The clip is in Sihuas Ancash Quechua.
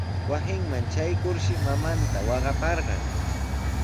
Wasinman traykurshi mamanta waqaparqan.